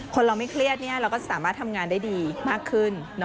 เราไม่เครียดเราก็สามารถทำงานได้ดีมากขึ้น